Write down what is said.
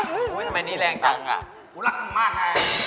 อุ๊ยทำไมนี่แรงจังอ่ะรักมันมากไง